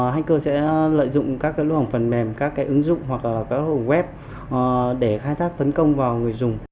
hành cơ sẽ lợi dụng các lỗ hỏng phần mềm các ứng dụng hoặc các hồ web để khai thác tấn công vào người dùng